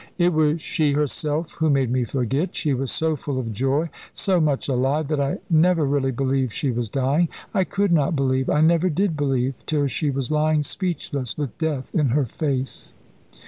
"It was she herself who made me forget. She was so full of joy so much alive that I never really believed she was dying. I could not believe; I never did believe, till she was lying speechless, with death in her face."